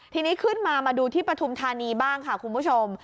ทีนี้ขึ้นมามาดูที่ปฐุมธานีบ้างค่ะคุณผู้ชม